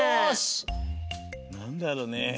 なんだろうね。